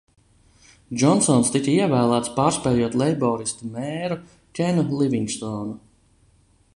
Džonsons tika ievēlēts, pārspējot leiboristu mēru Kenu Livingstonu.